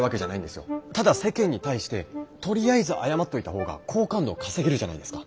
ただ世間に対してとりあえず謝っといた方が好感度を稼げるじゃないですか。